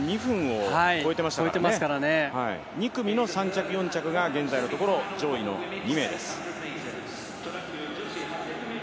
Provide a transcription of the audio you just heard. ２組の３着、４着が現在の上位２名です。